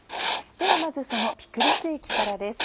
ではまずそのピクルス液からです。